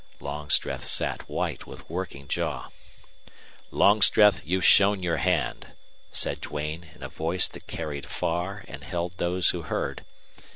Longstreth sat white with working jaw. "Longstreth, you've shown your hand," said Duane, in a voice that carried far and held those who heard.